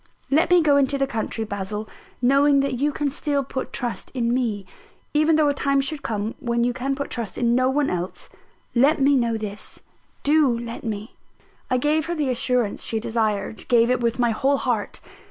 Let me go into the country, Basil, knowing that you can still put trust in me, even though a time should come when you can put trust in no one else let me know this: do let me!" I gave her the assurance she desired gave it with my whole heart.